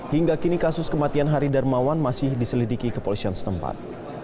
hingga kini kasus kematian hari darmawan masih diselidiki kepolisian setempat